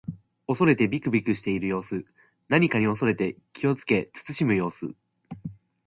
恐れてびくびくしている様子。何かに恐れて気をつけ慎む様子。